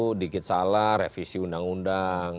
sedikit salah revisi undang undang